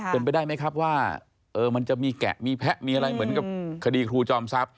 เป็นไปได้ไหมครับว่ามันจะมีแกะมีแพะมีอะไรเหมือนกับคดีครูจอมทรัพย